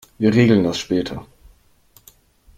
Wir regeln das später.